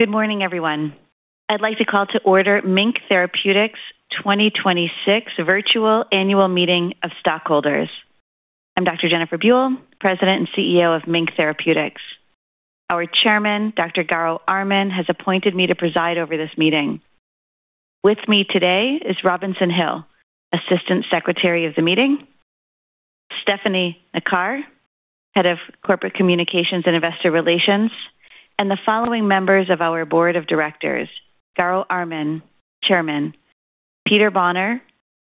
Good morning, everyone. I'd like to call to order MiNK Therapeutics 2026 Virtual Annual Meeting of Stockholders. I'm Dr. Jennifer Buell, President and Chief Executive Officer of MiNK Therapeutics. Our Chairman, Dr. Garo Armen, has appointed me to preside over this meeting. With me today is Robinson Hill, Assistant Secretary of the meeting, Stefanie Nacar, Head of Corporate Communications and Investor Relations, and the following members of our Board of Directors, Garo Armen, Chairman, Peter Bonner,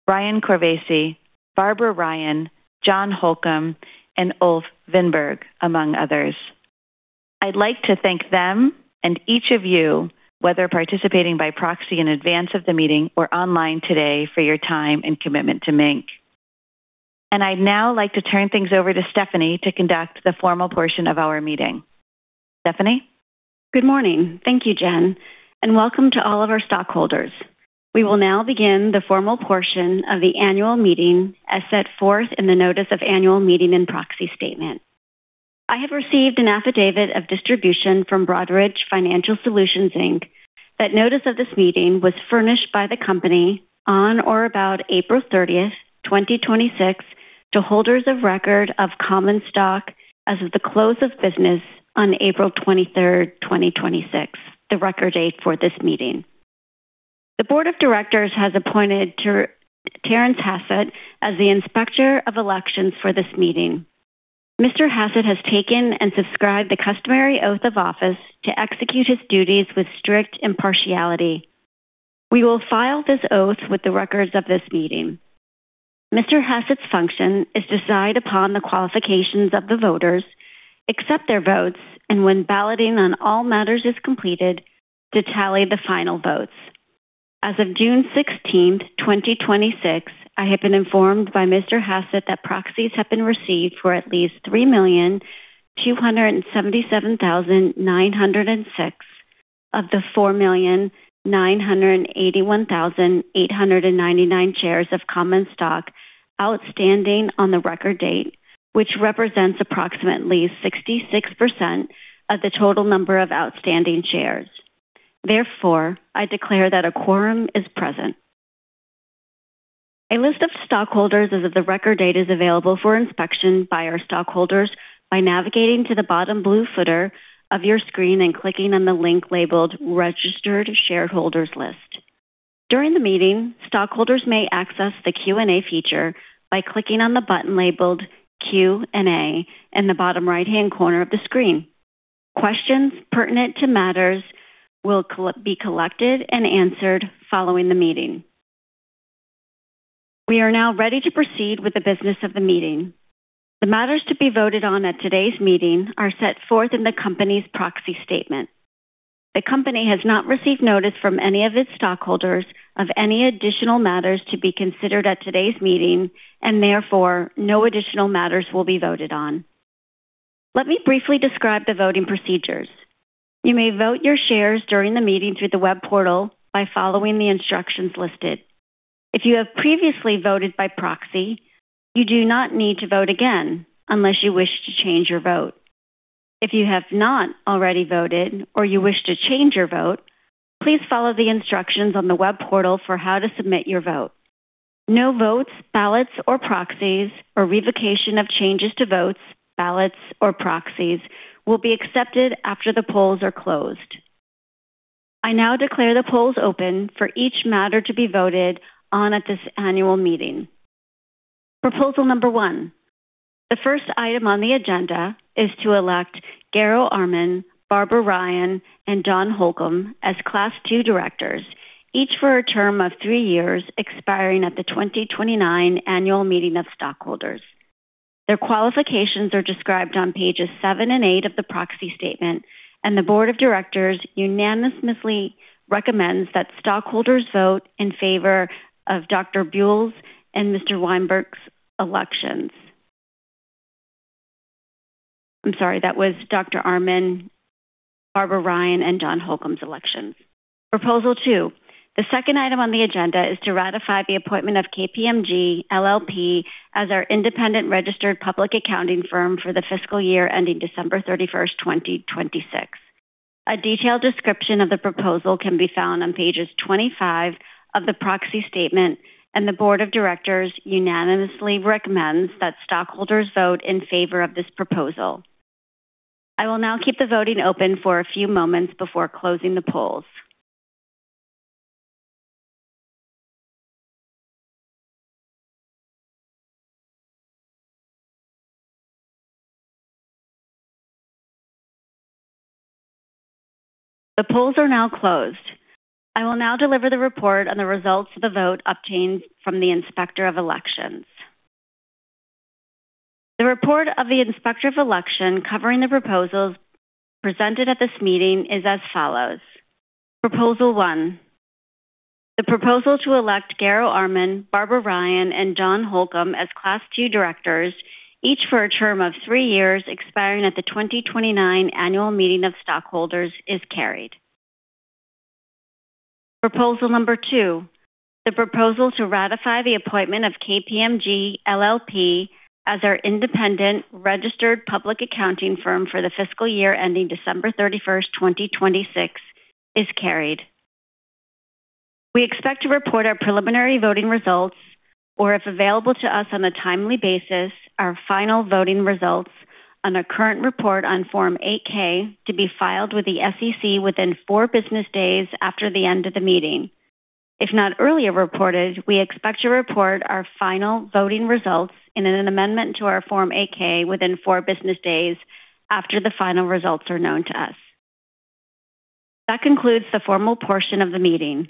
Brian Corvese, Barbara Ryan, John Holcomb, and Ulf Winberg, among others. I'd like to thank them and each of you, whether participating by proxy in advance of the meeting or online today, for your time and commitment to MiNK. I'd now like to turn things over to Stefanie to conduct the formal portion of our meeting. Stefanie? Good morning. Thank you, Jen, and welcome to all of our stockholders. We will now begin the formal portion of the annual meeting as set forth in the notice of annual meeting and proxy statement. I have received an affidavit of distribution from Broadridge Financial Solutions, Inc. That notice of this meeting was furnished by the company on or about April 30, 2026, to holders of record of common stock as of the close of business on April 23, 2026, the record date for this meeting. The Board of Directors has appointed Terrence Hassett as the Inspector of Elections for this meeting. Mr. Hassett has taken and subscribed the customary oath of office to execute his duties with strict impartiality. We will file this oath with the records of this meeting. Mr. Hassett's function is to decide upon the qualifications of the voters, accept their votes, and when balloting on all matters is completed, to tally the final votes. As of June 16, 2026, I have been informed by Mr. Hassett that proxies have been received for at least 3,277,906 of the 4,981,899 shares of common stock outstanding on the record date, which represents approximately 66% of the total number of outstanding shares. Therefore, I declare that a quorum is present. A list of stockholders as of the record date is available for inspection by our stockholders by navigating to the bottom blue footer of your screen and clicking on the link labeled "Registered Shareholders List." During the meeting, stockholders may access the Q&A feature by clicking on the button labeled Q&A in the bottom right-hand corner of the screen. Questions pertinent to matters will be collected and answered following the meeting. The matters to be voted on at today's meeting are set forth in the company's proxy statement. The company has not received notice from any of its stockholders of any additional matters to be considered at today's meeting. Therefore, no additional matters will be voted on. Let me briefly describe the voting procedures. You may vote your shares during the meeting through the web portal by following the instructions listed. If you have previously voted by proxy, you do not need to vote again unless you wish to change your vote. If you have not already voted or you wish to change your vote, please follow the instructions on the web portal for how to submit your vote. No votes, ballots, or proxies, or revocation of changes to votes, ballots, or proxies will be accepted after the polls are closed. I now declare the polls open for each matter to be voted on at this annual meeting. Proposal number one. The first item on the agenda is to elect Garo Armen, Barbara Ryan, and John Holcomb as Class II directors, each for a term of three years, expiring at the 2029 annual meeting of stockholders. Their qualifications are described on pages seven and eight of the proxy statement, and the board of directors unanimously recommends that stockholders vote in favor of Dr. Buell's and Mr. Winberg's elections. I'm sorry, that was Dr. Armen, Barbara Ryan, and John Holcomb's election. Proposal two, the second item on the agenda is to ratify the appointment of KPMG LLP as our independent registered public accounting firm for the fiscal year ending December 31st, 2026. A detailed description of the proposal can be found on pages 25 of the proxy statement. The board of directors unanimously recommends that stockholders vote in favor of this proposal. I will now keep the voting open for a few moments before closing the polls. The polls are now closed. I will now deliver the report on the results of the vote obtained from the Inspector of Elections. The report of the Inspector of Election covering the proposals presented at this meeting is as follows. Proposal one, the proposal to elect Garo Armen, Barbara Ryan, and John Holcomb as Class II directors, each for a term of three years expiring at the 2029 annual meeting of stockholders is carried. Proposal number two, the proposal to ratify the appointment of KPMG LLP as our independent registered public accounting firm for the fiscal year ending December 31st, 2026 is carried. We expect to report our preliminary voting results, or if available to us on a timely basis, our final voting results on our current report on Form 8-K to be filed with the SEC within four business days after the end of the meeting. If not earlier reported, we expect to report our final voting results in an amendment to our Form 8-K within four business days after the final results are known to us. That concludes the formal portion of the meeting.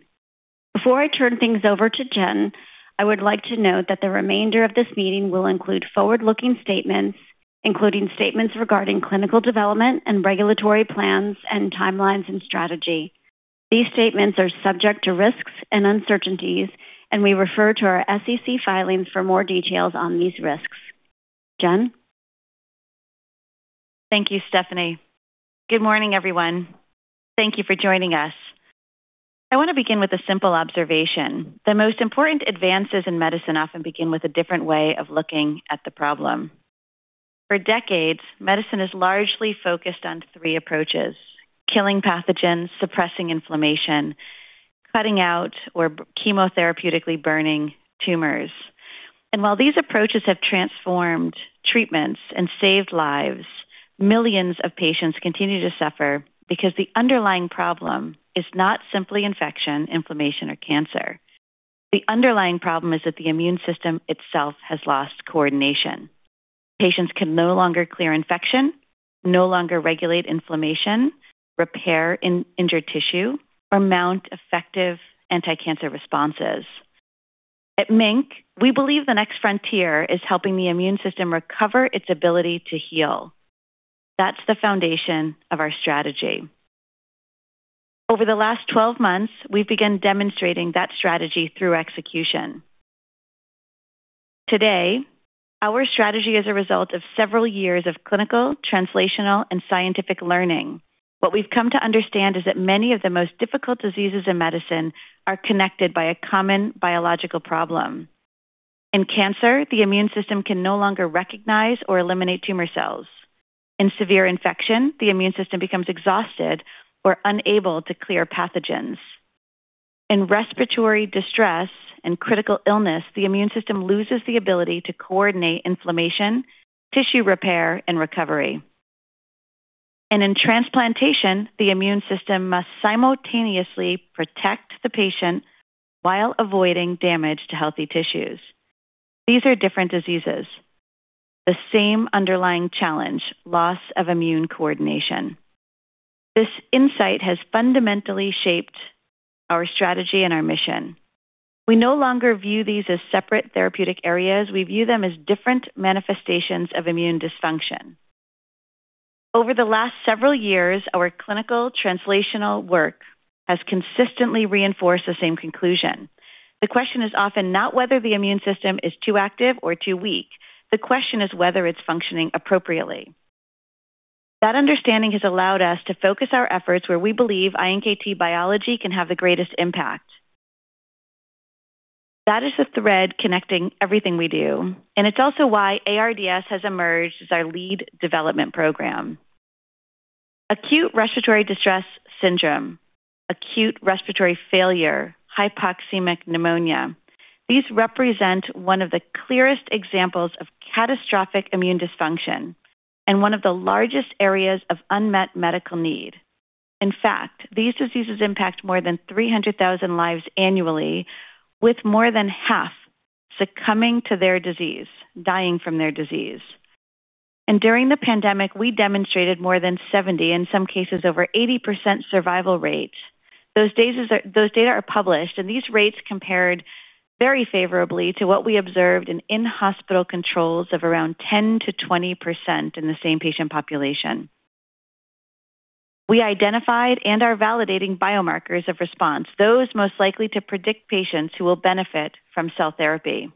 Before I turn things over to Jen, I would like to note that the remainder of this meeting will include forward-looking statements, including statements regarding clinical development and regulatory plans and timelines and strategy. These statements are subject to risks and uncertainties. We refer to our SEC filings for more details on these risks. Jen? Thank you, Stefanie. Good morning, everyone. Thank you for joining us. I want to begin with a simple observation. The most important advances in medicine often begin with a different way of looking at the problem. For decades, medicine has largely focused on three approaches, killing pathogens, suppressing inflammation, cutting out or chemotherapeutically burning tumors. While these approaches have transformed treatments and saved lives, millions of patients continue to suffer because the underlying problem is not simply infection, inflammation, or cancer. The underlying problem is that the immune system itself has lost coordination. Patients can no longer clear infection, no longer regulate inflammation, repair injured tissue, or mount effective anticancer responses. At MiNK, we believe the next frontier is helping the immune system recover its ability to heal. That's the foundation of our strategy. Over the last 12 months, we've begun demonstrating that strategy through execution. Today, our strategy is a result of several years of clinical, translational, and scientific learning. What we've come to understand is that many of the most difficult diseases in medicine are connected by a common biological problem. In cancer, the immune system can no longer recognize or eliminate tumor cells. In severe infection, the immune system becomes exhausted or unable to clear pathogens. In respiratory distress and critical illness, the immune system loses the ability to coordinate inflammation, tissue repair, and recovery. In transplantation, the immune system must simultaneously protect the patient while avoiding damage to healthy tissues. These are different diseases. The same underlying challenge, loss of immune coordination. This insight has fundamentally shaped our strategy and our mission. We no longer view these as separate therapeutic areas. We view them as different manifestations of immune dysfunction. Over the last several years, our clinical translational work has consistently reinforced the same conclusion. The question is often not whether the immune system is too active or too weak. The question is whether it's functioning appropriately. That understanding has allowed us to focus our efforts where we believe iNKT biology can have the greatest impact. That is the thread connecting everything we do, and it's also why ARDS has emerged as our lead development program. Acute respiratory distress syndrome, acute respiratory failure, hypoxemic pneumonia. These represent one of the clearest examples of catastrophic immune dysfunction and one of the largest areas of unmet medical need. In fact, these diseases impact more than 300,000 lives annually, with more than half succumbing to their disease, dying from their disease. During the pandemic, we demonstrated more than 70%, in some cases over 80% survival rates. Those data are published. These rates compared very favorably to what we observed in in-hospital controls of around 10%-20% in the same patient population. We identified and are validating biomarkers of response, those most likely to predict patients who will benefit from cell therapy.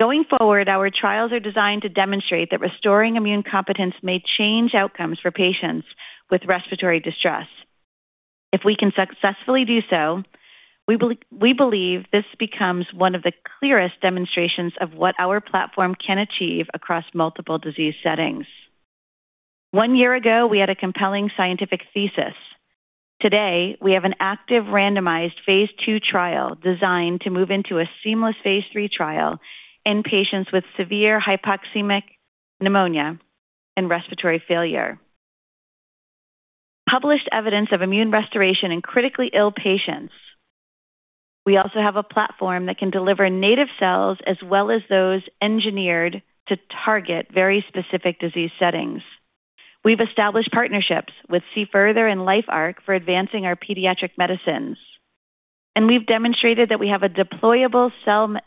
Going forward, our trials are designed to demonstrate that restoring immune competence may change outcomes for patients with respiratory distress. If we can successfully do so, we believe this becomes one of the clearest demonstrations of what our platform can achieve across multiple disease settings. One year ago, we had a compelling scientific thesis. Today, we have an active randomized phase II trial designed to move into a seamless phase III trial in patients with severe hypoxemic pneumonia and respiratory failure. Published evidence of immune restoration in critically ill patients. We also have a platform that can deliver native cells as well as those engineered to target very specific disease settings. We've established partnerships with C-Further and LifeArc for advancing our pediatric medicines. We've demonstrated that we have a deployable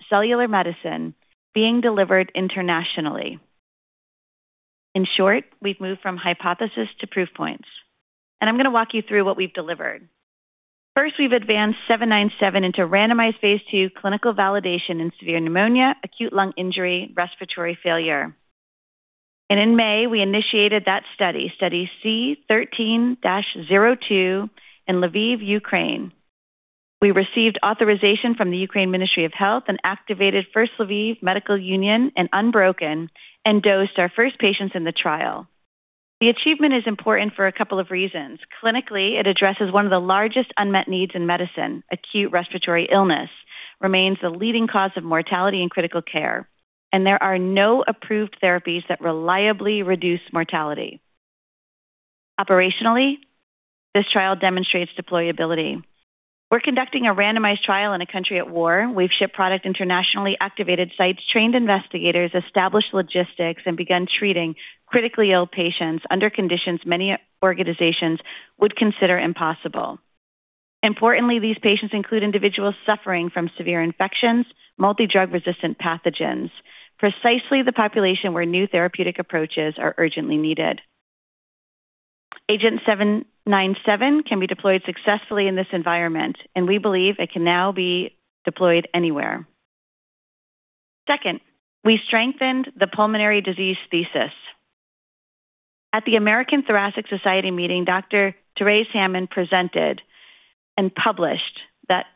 cellular medicine being delivered internationally. In short, we've moved from hypothesis to proof points, and I'm going to walk you through what we've delivered. First, we've advanced 797 into randomized phase II clinical validation in severe pneumonia, acute lung injury, respiratory failure. In May, we initiated that study C13-02 in Lviv, Ukraine. We received authorization from the Ministry of Health of Ukraine and activated First Lviv Medical Union and UNBROKEN and dosed our first patients in the trial. The achievement is important for a couple of reasons. Clinically, it addresses one of the largest unmet needs in medicine. Acute respiratory illness remains the leading cause of mortality in critical care. There are no approved therapies that reliably reduce mortality. Operationally, this trial demonstrates deployability. We're conducting a randomized trial in a country at war. We've shipped product internationally, activated sites, trained investigators, established logistics, and begun treating critically ill patients under conditions many organizations would consider impossible. Importantly, these patients include individuals suffering from severe infections, multi-drug resistant pathogens, precisely the population where new therapeutic approaches are urgently needed. Agent 797 can be deployed successfully in this environment, and we believe it can now be deployed anywhere. Second, we strengthened the pulmonary disease thesis. At the American Thoracic Society meeting, Dr. Terese Hammond presented and published that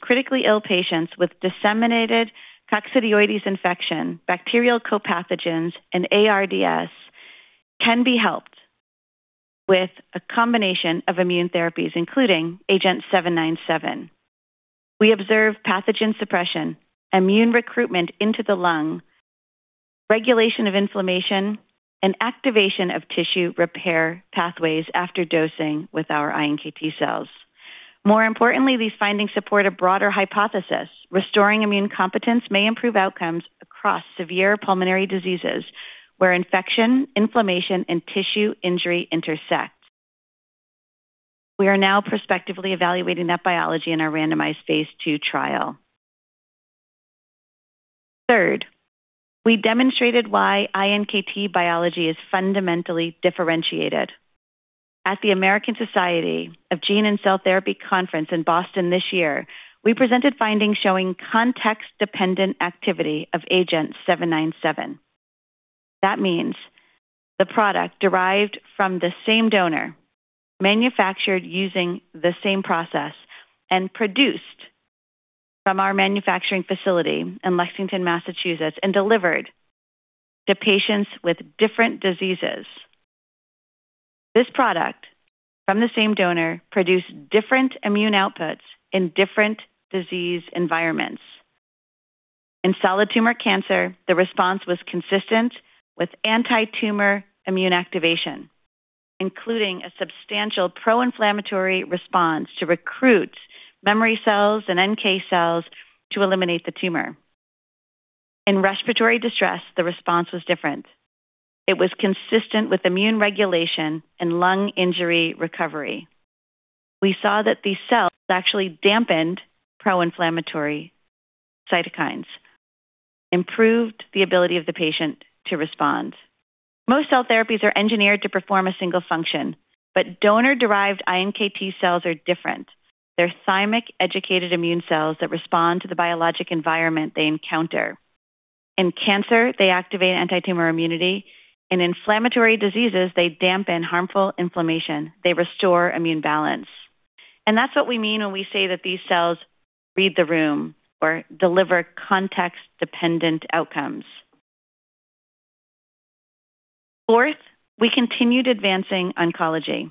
critically ill patients with disseminated coccidioides infection, bacterial co-pathogens, and ARDS can be helped with a combination of immune therapies, including Agent 797. We observe pathogen suppression, immune recruitment into the lung, regulation of inflammation, and activation of tissue repair pathways after dosing with our iNKT cells. More importantly, these findings support a broader hypothesis. Restoring immune competence may improve outcomes across severe pulmonary diseases where infection, inflammation, and tissue injury intersect. We are now prospectively evaluating that biology in our randomized phase II trial. Third, we demonstrated why iNKT biology is fundamentally differentiated. At the American Society of Gene & Cell Therapy Conference in Boston this year, we presented findings showing context-dependent activity of Agent 797. That means the product derived from the same donor, manufactured using the same process, produced from our manufacturing facility in Lexington, Massachusetts, and delivered to patients with different diseases. This product from the same donor produced different immune outputs in different disease environments. In solid tumor cancer, the response was consistent with anti-tumor immune activation, including a substantial pro-inflammatory response to recruit memory cells and NK cells to eliminate the tumor. In respiratory distress, the response was different. It was consistent with immune regulation and lung injury recovery. We saw that these cells actually dampened pro-inflammatory cytokines, improved the ability of the patient to respond. Most cell therapies are engineered to perform a single function, but donor-derived iNKT cells are different. They're thymic-educated immune cells that respond to the biologic environment they encounter. In cancer, they activate anti-tumor immunity. In inflammatory diseases, they dampen harmful inflammation. They restore immune balance. That's what we mean when we say that these cells read the room or deliver context-dependent outcomes. Fourth, we continued advancing oncology.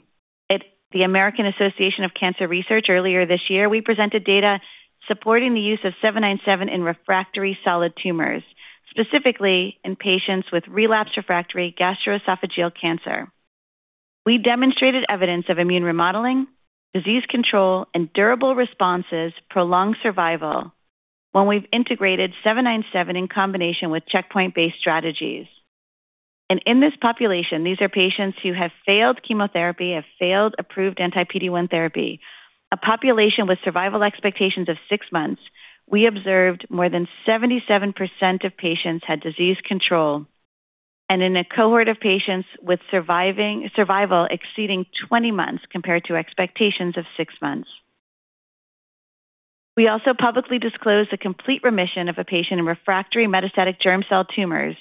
At the American Association for Cancer Research earlier this year, we presented data supporting the use of 797 in refractory solid tumors, specifically in patients with relapsed refractory gastroesophageal cancer. We demonstrated evidence of immune remodeling, disease control, and durable responses prolong survival when we've integrated 797 in combination with checkpoint-based strategies. In this population, these are patients who have failed chemotherapy, have failed approved anti-PD-1 therapy, a population with survival expectations of six months, we observed more than 77% of patients had disease control, in a cohort of patients with survival exceeding 20 months compared to expectations of six months. We also publicly disclosed a complete remission of a patient in refractory metastatic germ cell tumors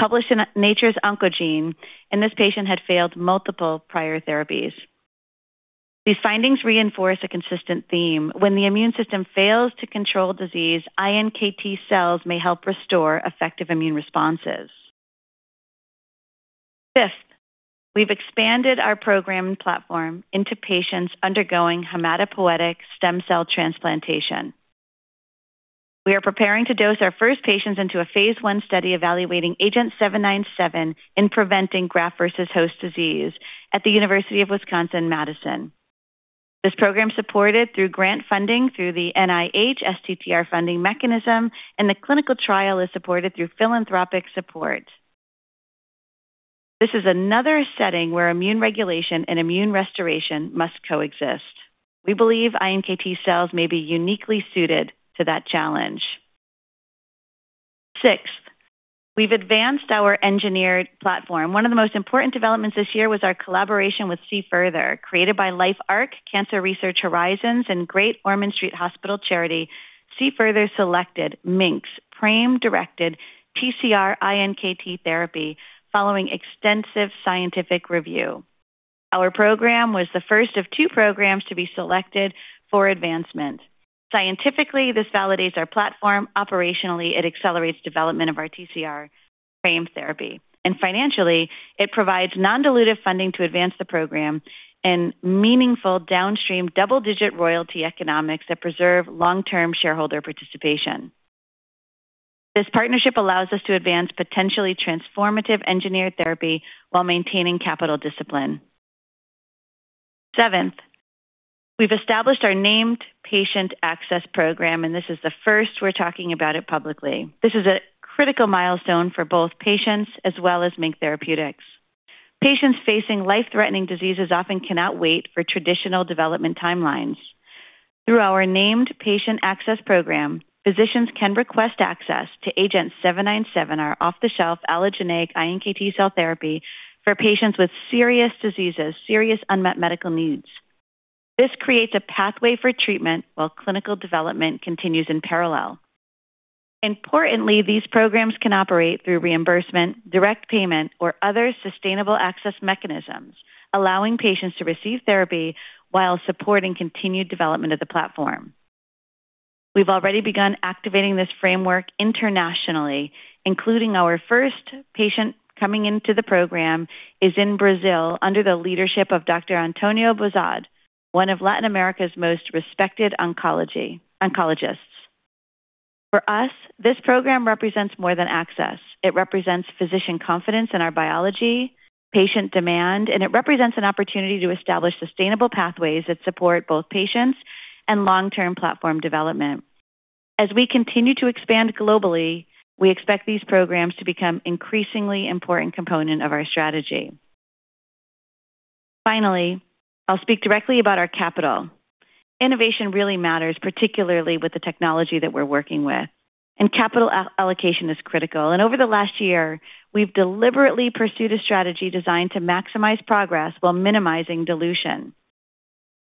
published in Nature's Oncogene. This patient had failed multiple prior therapies. These findings reinforce a consistent theme. When the immune system fails to control disease, iNKT cells may help restore effective immune responses. Fifth, we've expanded our program platform into patients undergoing hematopoietic stem cell transplantation. We are preparing to dose our first patients into a phase I study evaluating agenT-797 in preventing graft versus host disease at the University of Wisconsin–Madison. This program is supported through grant funding through the NIH STTR funding mechanism. The clinical trial is supported through philanthropic support. This is another setting where immune regulation and immune restoration must coexist. We believe iNKT cells may be uniquely suited to that challenge. Sixth, we've advanced our engineered platform. One of the most important developments this year was our collaboration with C-Further, created by LifeArc, Cancer Research Horizons, and Great Ormond Street Hospital Charity. C-Further selected MiNK's PRAME-directed TCR iNKT therapy following extensive scientific review. Our program was the first of two programs to be selected for advancement. Scientifically, this validates our platform. Operationally, it accelerates development of our TCR PRAME therapy. Financially, it provides non-dilutive funding to advance the program and meaningful downstream double-digit royalty economics that preserve long-term shareholder participation. This partnership allows us to advance potentially transformative engineered therapy while maintaining capital discipline. Seventh, we've established our named patient access program. This is the first we're talking about it publicly. This is a critical milestone for both patients as well as MiNK Therapeutics. Patients facing life-threatening diseases often cannot wait for traditional development timelines. Through our named patient access program, physicians can request access to agenT-797, our off-the-shelf allogeneic iNKT cell therapy for patients with serious diseases, serious unmet medical needs. This creates a pathway for treatment while clinical development continues in parallel. Importantly, these programs can operate through reimbursement, direct payment, or other sustainable access mechanisms, allowing patients to receive therapy while supporting continued development of the platform. We've already begun activating this framework internationally, including our first patient coming into the program is in Brazil under the leadership of Dr. Antonio Buzaid, one of Latin America's most respected oncologists. For us, this program represents more than access. It represents physician confidence in our biology, patient demand. It represents an opportunity to establish sustainable pathways that support both patients and long-term platform development. As we continue to expand globally, we expect these programs to become increasingly important component of our strategy. Finally, I'll speak directly about our capital. Innovation really matters, particularly with the technology that we're working with. Capital allocation is critical. Over the last year, we've deliberately pursued a strategy designed to maximize progress while minimizing dilution.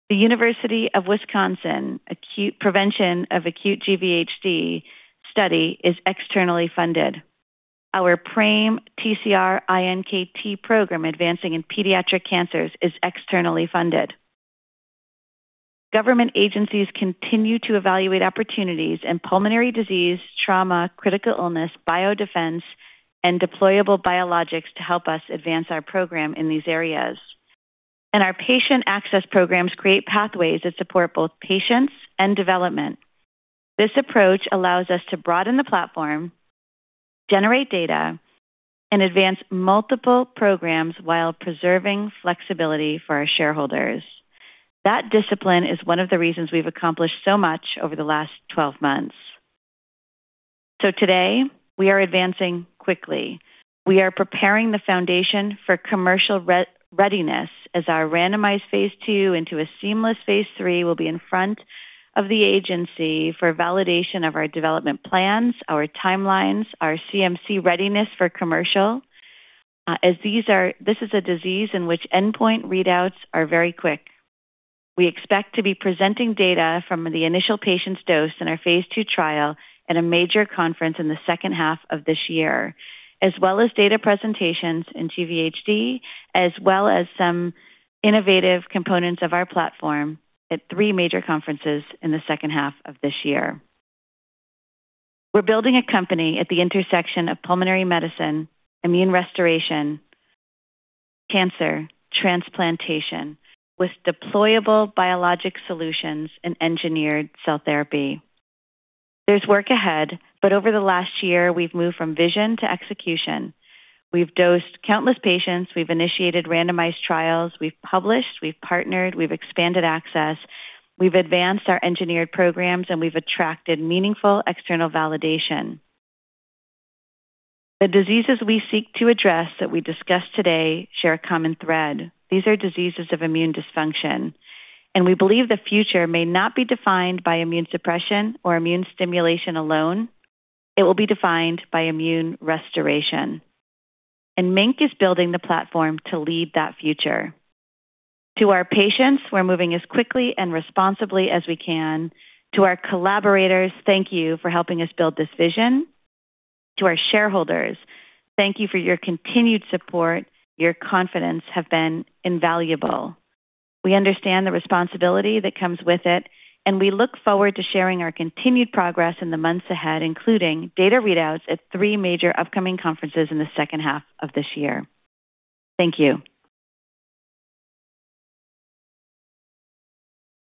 The University of Wisconsin prevention of acute GvHD study is externally funded. Our PRAME TCR iNKT program advancing in pediatric cancers is externally funded. Government agencies continue to evaluate opportunities in pulmonary disease, trauma, critical illness, biodefense, and deployable biologics to help us advance our program in these areas. Our patient access programs create pathways that support both patients and development. This approach allows us to broaden the platform, generate data, and advance multiple programs while preserving flexibility for our shareholders. That discipline is one of the reasons we've accomplished so much over the last 12 months. Today, we are advancing quickly. We are preparing the foundation for commercial readiness as our randomized phase II into a seamless phase III will be in front of the agency for validation of our development plans, our timelines, our CMC readiness for commercial, as this is a disease in which endpoint readouts are very quick. We expect to be presenting data from the initial patients dosed in our phase II trial at a major conference in the second half of this year, as well as data presentations in GvHD, as well as some innovative components of our platform at three major conferences in the second half of this year. We're building a company at the intersection of pulmonary medicine, immune restoration, cancer, transplantation with deployable biologic solutions and engineered cell therapy. There's work ahead, but over the last year, we've moved from vision to execution. We've dosed countless patients, we've initiated randomized trials, we've published, we've partnered, we've expanded access, we've advanced our engineered programs, and we've attracted meaningful external validation. The diseases we seek to address that we discussed today share a common thread. These are diseases of immune dysfunction. We believe the future may not be defined by immune suppression or immune stimulation alone. It will be defined by immune restoration. MiNK is building the platform to lead that future. To our patients, we're moving as quickly and responsibly as we can. To our collaborators, thank you for helping us build this vision. To our shareholders, thank you for your continued support. Your confidence have been invaluable. We understand the responsibility that comes with it, and we look forward to sharing our continued progress in the months ahead, including data readouts at three major upcoming conferences in the second half of this year. Thank you.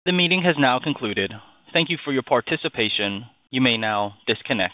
The meeting has now concluded. Thank you for your participation. You may now disconnect.